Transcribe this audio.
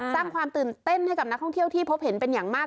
สร้างความตื่นเต้นให้กับนักท่องเที่ยวที่พบเห็นเป็นอย่างมาก